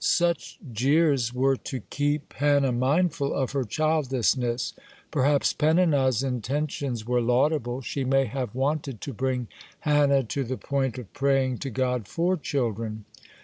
(7) Such jeers were to keep Hannah mindful of her childlessness. Perhaps Peninnah's intentions were laudable: she may have wanted to bring Hannah to the point of praying to God for children.